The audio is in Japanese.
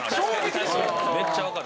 めっちゃわかる。